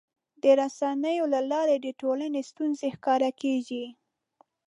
د رسنیو له لارې د ټولنې ستونزې ښکاره کېږي.